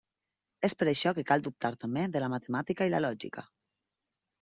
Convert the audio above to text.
És per això que cal dubtar també de la Matemàtica i la Lògica.